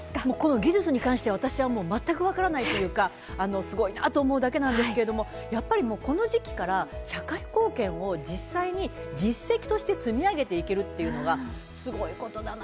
技術に関しては私は全く分からないというか、すごいなと思うだけなんですけど、この時期から社会貢献を実際に実績として積み上げていけるっていうのがすごいことだな。